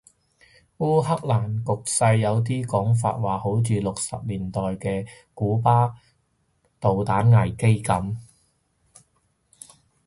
烏克蘭局勢有啲講法話好似六十年代嘅古巴導彈危機噉